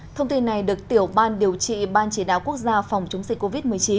thông tin này được tiểu ban điều trị ban chỉ đạo quốc gia phòng chống dịch covid một mươi chín